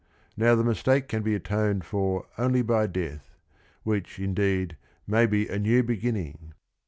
Now the mistake can be atoned for only by death, which, indeed, may be a new beginning.